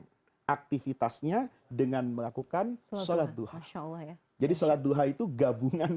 aktivitasnya dengan melakukan sholat duha jadi sholat duha itu gabungan